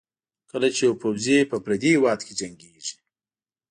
کله چې یو پوځي په پردي هېواد کې جنګېږي.